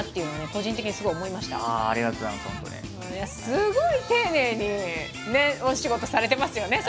すごい丁寧にお仕事されてますよね